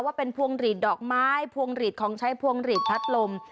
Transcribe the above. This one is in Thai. ว่าเป็นพวงหลีดดอกไม้พวงหลีดของใช้พวงหลีดพัดลม